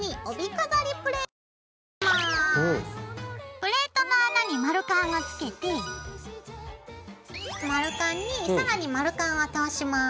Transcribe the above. プレートの穴に丸カンを付けて丸カンに更に丸カンを通します。